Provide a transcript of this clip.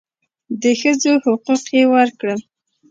د ښځو حقوق یې ورکړل.